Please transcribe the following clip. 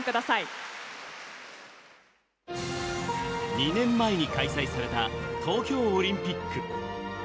２年前に開催された東京オリンピック。